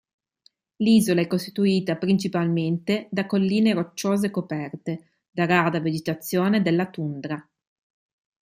L'isola è costituita principalmente da colline rocciose coperte, da rada vegetazione della tundra.